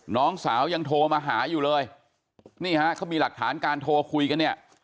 น้องสาวยังโทรมาหาอยู่เลยนี่ฮะเขามีหลักฐานการโทรคุยกันเนี่ย